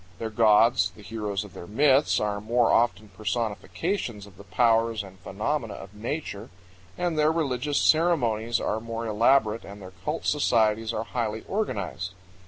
Their gods, the heroes of their myths, are more often personifications of the powers and phenomena of nature, and their religious ceremonies are more elaborate, and their cult societies are highly organized.